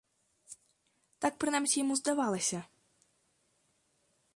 Так, прынамсі, яму здавалася.